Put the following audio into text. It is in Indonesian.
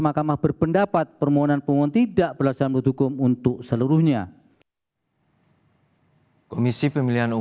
makamah berpendapat permohonan pemohon tidak beralasan menurut hukum untuk seluruhnya